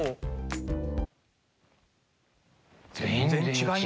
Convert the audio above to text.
全然違う。